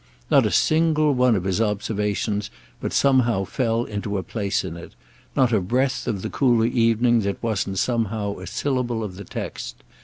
Not a single one of his observations but somehow fell into a place in it; not a breath of the cooler evening that wasn't somehow a syllable of the text.